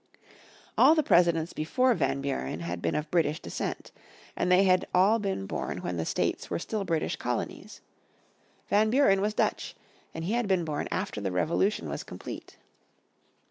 All the presidents before Van Buren had been of British descent, and they had all been born when the States were still British colonies. Van Buren was Dutch, and he had been born after the Revolution was complete.